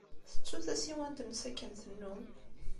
Tettu tasiwant-nnes, akken tennum.